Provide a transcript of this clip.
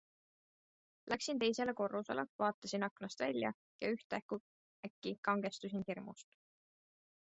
Läksin teisele korrusele, vaatasin aknast välja ja ühtäkki kangestusin hirmust.